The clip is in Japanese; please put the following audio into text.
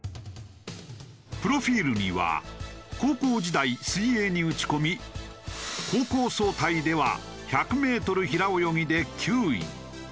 プロフィールには高校時代水泳に打ち込み高校総体では１００メートル平泳ぎで９位。